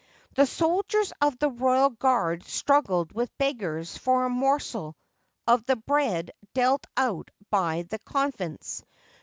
The soldiers of the royal guard struggled with beggars for a morsel of the bread dealt out by the convents.